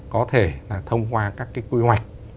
có thể là thông qua các cái quy hoạch